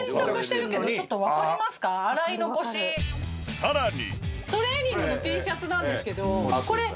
さらに。